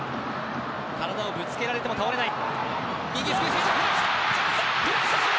体をぶつけられても倒れない。